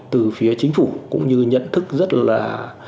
từ phía chính phủ cũng như nhận thức rất là